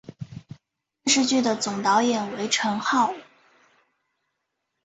该电视剧的总导演为成浩。